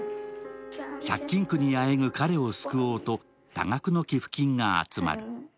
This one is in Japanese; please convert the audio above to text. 借金苦にあえぐ彼を救おうと多額の寄付金が集まる。